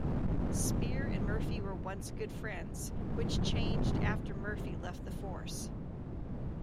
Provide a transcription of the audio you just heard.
Speer and Murphy were once good friends, which changed after Murphy left the force.